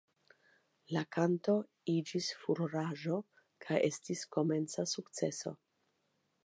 La kanto iĝis furoraĵo kaj estis komerca sukceso.